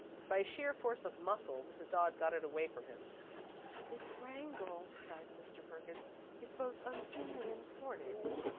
By sheer force of muscle, Mrs. Dodd got it away from him. "This wrangle," sighed Mr. Perkins, "is both unseemly and sordid.